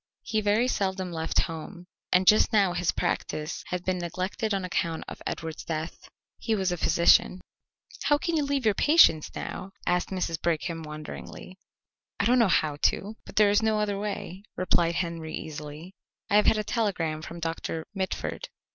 He very seldom left home, and just now his practice had been neglected on account of Edward's death. He was a physician. "How can you leave your patients now?" asked Mrs. Brigham wonderingly. "I don't know how to, but there is no other way," replied Henry easily. "I have had a telegram from Doctor Mitford."